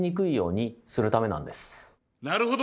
なるほど。